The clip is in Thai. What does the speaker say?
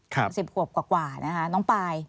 ๑๐ขวบกว่านะคะน้องปาย